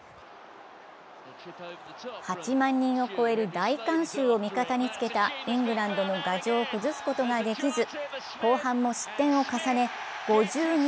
８万人を超える大観衆を味方につけたイングランドの牙城を崩すことができず後半も失点を重ね、５２−１３。